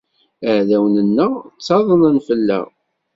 Iɛdawen-nneɣ ttaḍdan fell-aɣ.